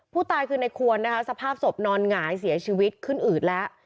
ผู้ตายคือในควรนะคะสภาพศพนอนหงายเสียชีวิตขึ้นอืดแล้ว